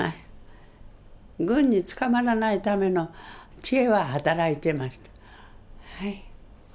軍に捕まらないための知恵は働いてました。